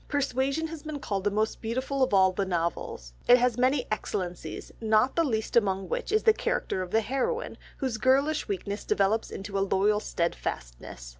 Persuasion has been called the "most beautiful of all the novels"; it has many excellencies, not the least among which is the character of the heroine, whose girlish weakness develops into a loyal steadfastness.